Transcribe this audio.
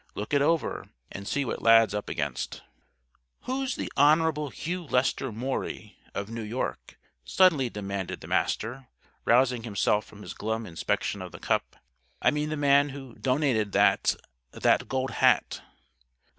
Look it over, and see what Lad's up against." "Who's the Hon. Hugh Lester Maury, of New York?" suddenly demanded the Master, rousing himself from his glum inspection of the Cup. "I mean the man who donated that that Gold Hat?"